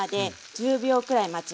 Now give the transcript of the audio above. １０秒ぐらい待つ。